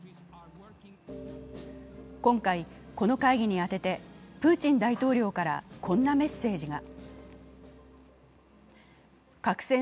今回、この会議にあててプーチン大統領からこんなメッセージが。